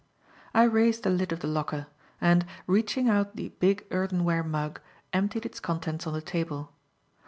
I raised the lid of the locker, and, reaching out the big earthenware mug, emptied its contents on the table.